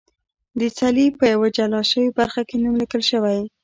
د څلي په یوه جلا شوې برخه کې نوم لیکل شوی.